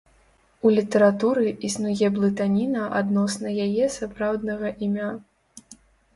У літаратуры існуе блытаніна адносна яе сапраўднага імя.